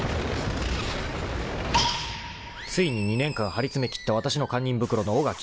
［ついに２年間張り詰めきったわたしの堪忍袋の緒が切れた］